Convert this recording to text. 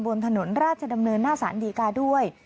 บนถนนราชดำเนินหน้าสารดีกาด้วย